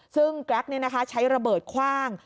ซึ่งแกรกเนี่ยนะคะใช้ระเบิดคว่าง